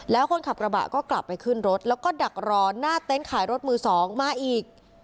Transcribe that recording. แล้วคนขับกระบะก็กลับไปขึ้นรถแล้วก็ดักรอหน้าเต็นต์ขายรถมือสองมาอีก